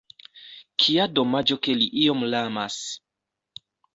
Kia domaĝo ke li iom lamas!